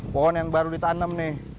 pohon yang baru ditanam nih